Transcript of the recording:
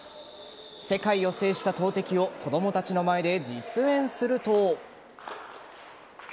世界を制した投てきを子供たちの前で実演すると。